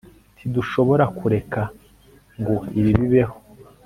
ntidushobora kureka ngo ibi bibeho